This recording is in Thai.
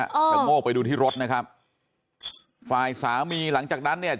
ชะโงกไปดูที่รถนะครับฝ่ายสามีหลังจากนั้นเนี่ย